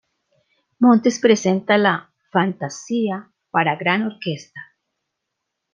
Montes presenta la "Fantasía para gran orquesta".